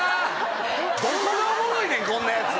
こんなやつ。